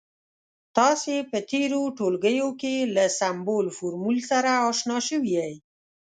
تاسې په تیرو ټولګیو کې له سمبول، فورمول سره اشنا شوي يئ.